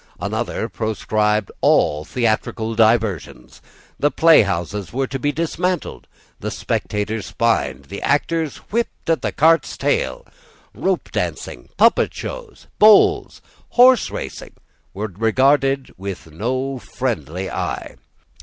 Another proscribed all theatrical diversions. The playhouses were to be dismantled, the spectators fined, the actors whipped at the cart's tail. Rope dancing, puppet shows, bowls, horse racing, were regarded with no friendly eye.